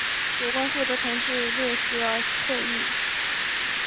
有关负责同志列席了会议。